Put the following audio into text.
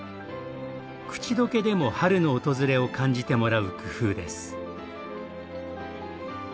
口溶けでも春の訪れを感じてもらう工夫です。